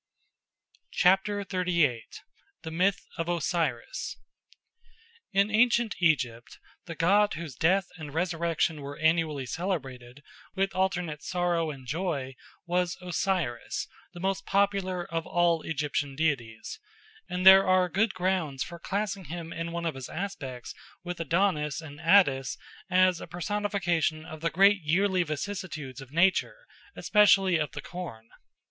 XXXVIII. The Myth of Osiris IN ANCIENT EGYPT the god whose death and resurrection were annually celebrated with alternate sorrow and joy was Osiris, the most popular of all Egyptian deities; and there are good grounds for classing him in one of his aspects with Adonis and Attis as a personification of the great yearly vicissitudes of nature, especially of the corn.